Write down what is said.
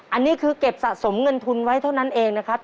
อันนี้คือเก็บสะสมเงินทุนไว้เท่านั้นเองนะครับ